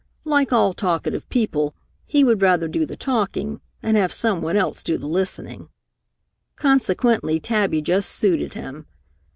Like all talkative people, he would rather do the talking and have someone else do the listening. Consequently Tabby just suited him.